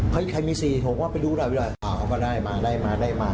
เฮ้ยใครมี๔โถ่ว่าไปดูด่ายหาเขาก็ได้มาได้มาได้มา